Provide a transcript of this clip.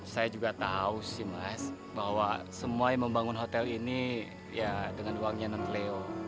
saya juga tahu sih mas bahwa semua yang membangun hotel ini ya dengan uangnya non pleo